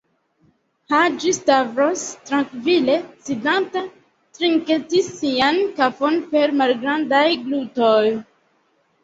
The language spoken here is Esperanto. Haĝi-Stavros, trankvile sidanta, trinketis sian kafon per malgrandaj glutoj.